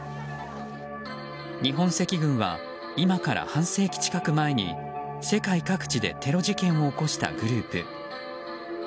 日本赤軍は今から半世紀近く前に世界各地でテロ事件を起こしたグループ。